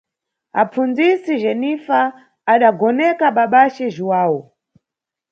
Apfundzisi Jenifa adagoneka babace Jhuwawu.